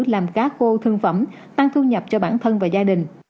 làm cá khô thương phẩm tăng thu nhập cho bản thân và gia đình